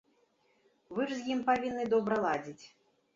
Вы ж з ім павінны добра ладзіць.